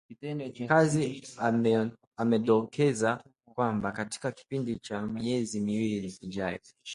Kithi amedokeza kwamba katika kipindi cha miezi miwili ijayo